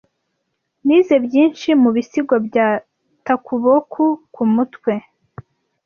Nize byinshi mu bisigo bya Takuboku ku mutwe.